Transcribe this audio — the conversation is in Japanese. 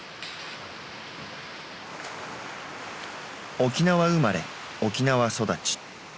沖縄生まれ沖縄育ち。